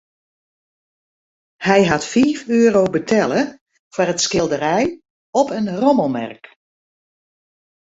Hy hat fiif euro betelle foar it skilderij op in rommelmerk.